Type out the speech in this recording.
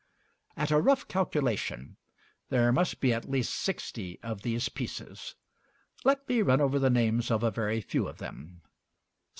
At a rough calculation, there must be at least sixty of these pieces. Let me run over the names of a very few of them.